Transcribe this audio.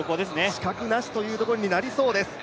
死角なしというところになりそうです。